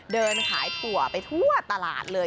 เดินขายถั่วไปทั่วตลาดเลย